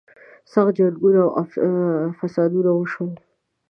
سخت جنګونه او فسادونه وشول.